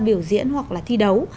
biểu diễn hoặc là thi đấu